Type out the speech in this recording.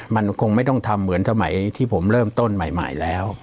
มันคงไม่ต้องทำเหมือนสมัยที่ผมเริ่มต้นใหม่แล้ว